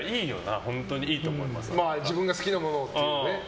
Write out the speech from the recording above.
自分が好きなものをっていうね。